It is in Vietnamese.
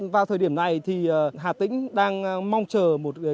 vào thời điểm này thì hà tĩnh đang mong chờ một cơ hội